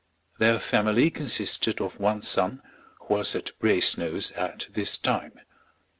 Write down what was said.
Their family consisted of one son, who was at Brasenose at this time.